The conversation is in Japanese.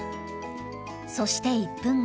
そして１分後。